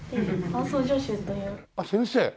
あっ先生？